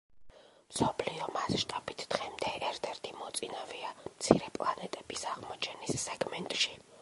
მსოფლიო მასშტაბით დღემდე ერთ-ერთი მოწინავეა მცირე პლანეტების აღმოჩენის სეგმენტში.